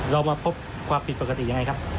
เรามาพบความผิดปกติยังไงครับ